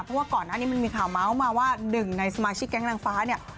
เพราะว่าก่อนหน้านี้มันมีข่าวเมาส์มาว่าหนึ่งในสมาชิกแก๊งนางฟ้าเนี่ย